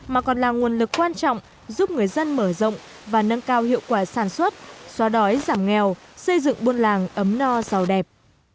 mà còn là nguồn lực quan trọng giúp người dân mở rộng và nâng cao hiệu quả sản xuất xóa đói giảm nghèo xây dựng buôn làng ấm no giàu đẹp